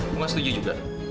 lo nggak setuju juga